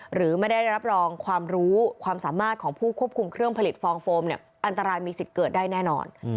หรือไม่ได้รับรองความรู้ความสามารถของผู้ควบคุมเครื่องผลิตฟองโฟมเนี่ยอันตรายมีสิทธิ์เกิดได้แน่นอน